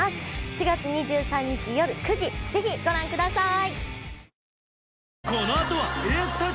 ４月２３日よる９時ぜひご覧ください